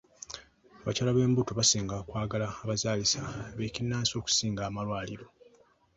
Abakyala b'embuto basinga kwagala abazaalisa ab'ekinnansi okusinga amalwaliro.